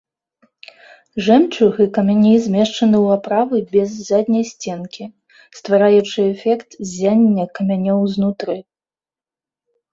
Жэмчуг і камяні змешчаны ў аправы без задняй сценкі, ствараючы эфект ззяння камянёў знутры.